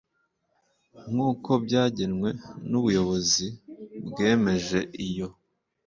nk uko byagenwe n ubuyobozi bwemeje iyo